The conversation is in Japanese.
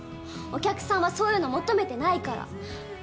お客さんはそういうのを求めてないから！